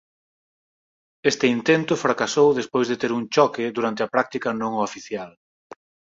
Este intento fracasou despois de ter un choque durante a práctica non oficial.